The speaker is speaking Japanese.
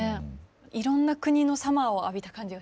いろんな国のサマーを浴びた感じがします。